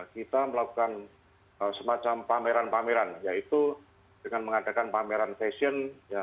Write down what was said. kita melakukan semacam pameran pameran yaitu dengan mengadakan pameran fashion